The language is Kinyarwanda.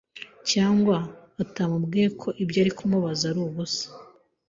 cyangwa atamubwiye ko ibyo ari kumubaza ari ubusa